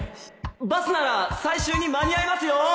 バスなら最終に間に合いますよ！